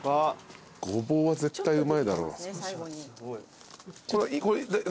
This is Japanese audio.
ごぼうは絶対うまいだろう。